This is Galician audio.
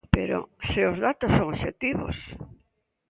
Pero ¡se os datos son obxectivos!